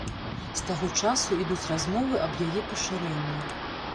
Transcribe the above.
З таго часу ідуць размовы аб яе пашырэнні.